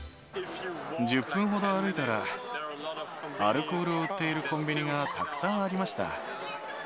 １０分ほど歩いたら、アルコールを売っているコンビニがたくさんありました。